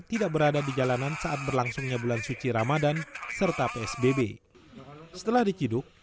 tidak berada di jalanan saat berlangsungnya bulan suci ramadhan serta psbb setelah diciduk